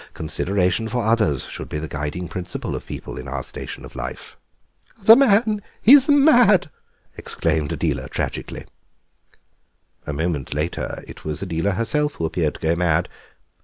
Consideration for others should be the guiding principle of people in our station of life." "The man is mad!" exclaimed Adela tragically. A moment later it was Adela herself who appeared to go mad.